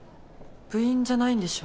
部員じゃないんでしょ？